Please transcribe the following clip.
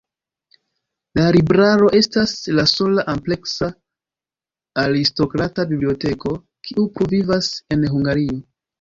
La libraro estas la sola ampleksa aristokrata biblioteko, kiu pluvivas en Hungario.